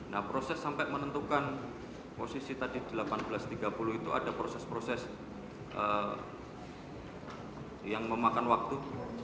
nah proses sampai menentukan posisi tadi delapan belas tiga puluh itu ada proses proses yang memakan waktu